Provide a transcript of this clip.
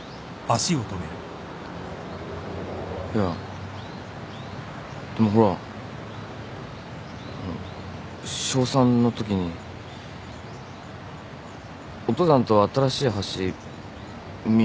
いやでもほらあの小３のときにお父さんと新しい橋見に行ったっつってたじゃない。